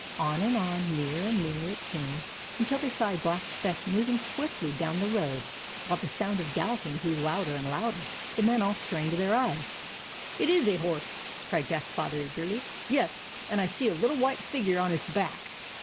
On and on, nearer and nearer it came, until they saw a black speck moving swiftly down the road, while the sound of galloping grew louder and louder. The men all strained their eyes. " It is a horse !" cried Jack's Father, eagerly. "Yes, and I see a little white figure on his back.